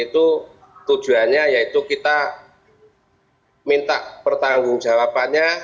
itu tujuannya yaitu kita minta pertanggung jawabannya